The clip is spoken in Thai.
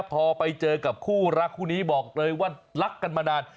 พอไปเจอกับคู่รักคู่นี้บอกเลยว่ารักกันมานาน